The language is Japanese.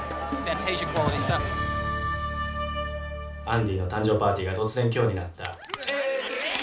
アンディの誕生パーティーが突然今日になった。